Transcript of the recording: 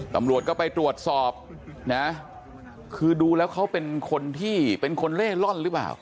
ตำรวจก็ไปตรวจสอบคือดูแล้วเขาเป็นคนเล่นร่อนหรือเปล่า